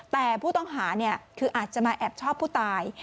แต่ผู้ต้องหาคืออาจจะมาแอบชอบผู้ตาย